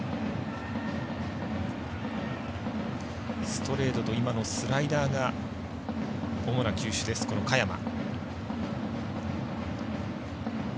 ストレートと、今のスライダーが主な球種です、嘉弥真。